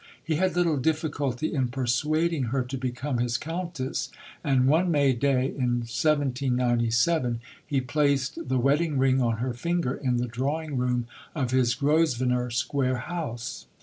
He had little difficulty in persuading her to become his Countess; and one May day, in 1797, he placed the wedding ring on her finger in the drawing room of his Grosvenor Square house.